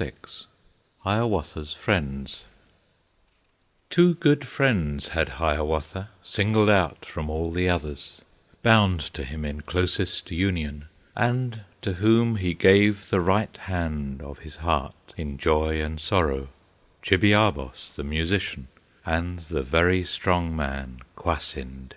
VI Hiawatha's Friends Two good friends had Hiawatha, Singled out from all the others, Bound to him in closest union, And to whom he gave the right hand Of his heart, in joy and sorrow; Chibiabos, the musician, And the very strong man, Kwasind.